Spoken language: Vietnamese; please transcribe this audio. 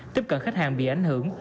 tiếp cận khách hàng bị ảnh hưởng